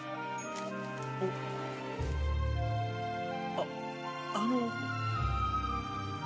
ああの。